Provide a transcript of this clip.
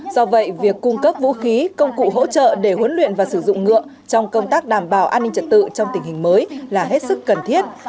do vậy việc cung cấp vũ khí công cụ hỗ trợ để huấn luyện và sử dụng ngựa trong công tác đảm bảo an ninh trật tự trong tình hình mới là hết sức cần thiết